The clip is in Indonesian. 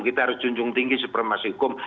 kita harus junjung tinggi supremasi hukum